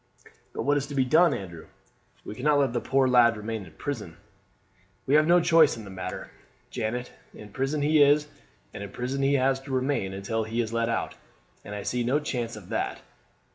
"But what is to be done, Andrew? We cannot let the poor lad remain in prison." "We have no choice in the matter, Janet. In prison he is, and in prison he has to remain until he is let out, and I see no chance of that.